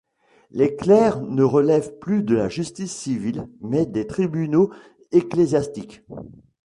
Les clercs ne relèvent plus de la justice civile, mais des tribunaux ecclésiastiques.